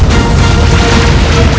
kau akan menang